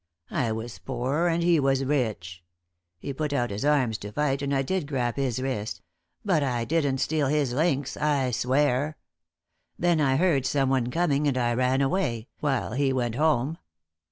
I was poor and he was rich. He put out his arms to fight, and I did grab his wrist; but I didn't steal his links, I swear! Then I heard someone coming, and I ran away, while he went home.